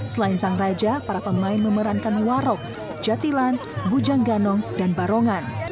selain sang raja para pemain memerankan warok jatilan bujang ganong dan barongan